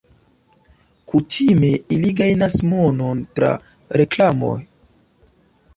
Kutime ili gajnas monon tra reklamoj.